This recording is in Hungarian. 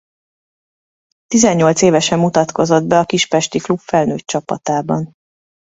Tizennyolc évesen mutatkozott be a kispesti klub felnőtt csapatában.